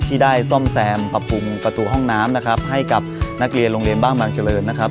ที่ได้ซ่อมแซมปรับปรุงประตูห้องน้ำนะครับให้กับนักเรียนโรงเรียนบ้านบางเจริญนะครับ